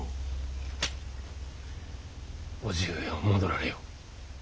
叔父上は戻られよ。